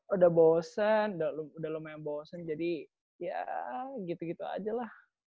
udah bosan udah lumayan bosen jadi ya gitu gitu aja lah